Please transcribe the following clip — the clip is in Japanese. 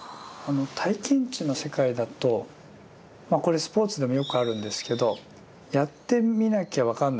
体験知の世界だとこれスポーツでもよくあるんですけどやってみなきゃ分かんないと。